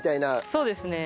そうですね。